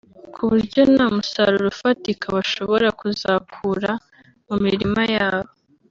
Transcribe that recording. ku buryo nta musaruro ufatika bashobora kuzakura mu mirima yabo